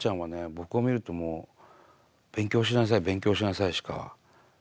僕を見るともう「勉強しなさい勉強しなさい」しか。